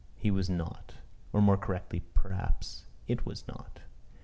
He was not; or more correctly, perhaps, it was not.